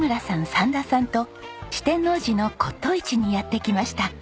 三田さんと四天王寺の骨董市にやって来ました。